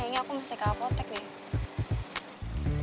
kayaknya aku masih ke apotek nih